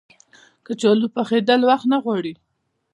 کچالو پخېدل وخت نه غواړي